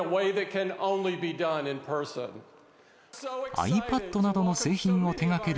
ｉＰａｄなどの製品を手がける